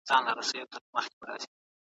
که سندره وي نو غږ نه بنديږي.